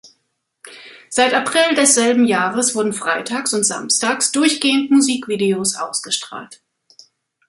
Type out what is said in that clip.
Seit April desselben Jahres wurden freitags und samstags durchgehend Musikvideos ausgestrahlt.